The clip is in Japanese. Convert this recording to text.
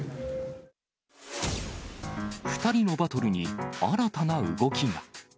２人のバトルに新たな動きが。